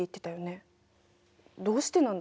どうしてなんだろう？